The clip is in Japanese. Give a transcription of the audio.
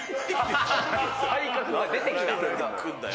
体格が出てきた？